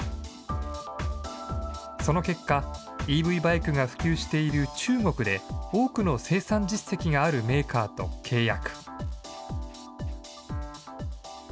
その結果、ＥＶバイクが普及している中国で、多くの生産実績があるメーカーと契約。